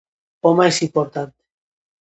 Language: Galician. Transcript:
O máis importante.